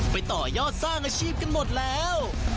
ต่อยอดสร้างอาชีพกันหมดแล้ว